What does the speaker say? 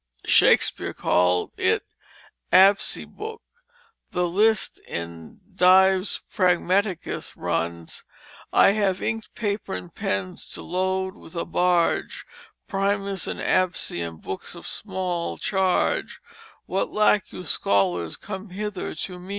Shakespeare called it absey book. The list in Dyves Pragmaticus runs: "I have inke, paper and pennes to lode with a barge, Primers and abces and books of small charge, What Lack you Scollers, come hither to me."